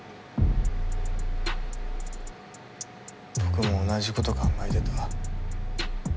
僕も同じこと考えてた。